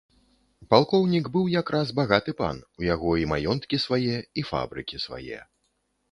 Палкоўнік быў якраз багаты пан, у яго і маёнткі свае, і фабрыкі свае.